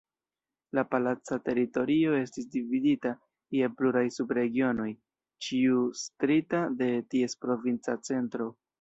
La palaca teritorio estis dividita je pluraj sub-regionoj, ĉiu estrita de ties provinca centro.